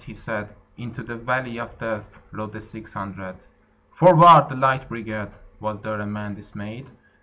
he said: Into the valley of Death Rode the six hundred. "Forward, the Light Brigade!" Was there a man dismayed?